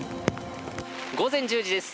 午前１０時です